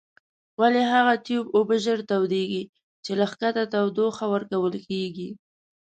ولې هغه تیوب اوبه ژر تودیږي چې له ښکته تودوخه ورکول کیږي؟